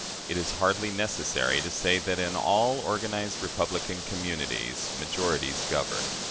It is hardly necessary to say that, in all organized republican communities, majorities govern.